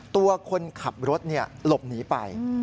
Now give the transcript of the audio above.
ตัวคนขับรถหลบหนีไป